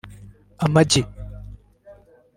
Amagi